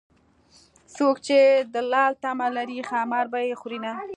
څوک چې د لال تمه لري ښامار به يې خورینه